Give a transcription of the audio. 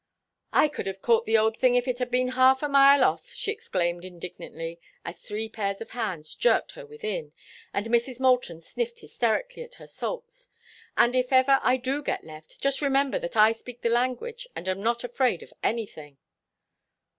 "I could have caught the old thing if it had been half a mile off!" she exclaimed, indignantly, as three pairs of hands jerked her within, and Mrs. Moulton sniffed hysterically at her salts. "And if ever I do get left, just remember that I speak the language and am not afraid of anything."